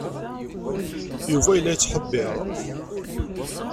Yuba yella yettḥebbiṛ.